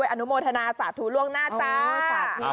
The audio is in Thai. อนุโมทนาสาธุล่วงหน้าจ้า